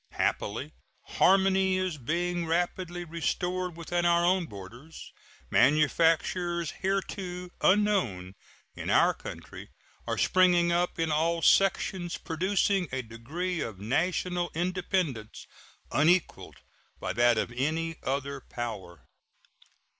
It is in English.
Happily, harmony is being rapidly restored within our own borders. Manufactures hitherto unknown in our country are springing up in all sections, producing a degree of national independence unequaled by that of any other power.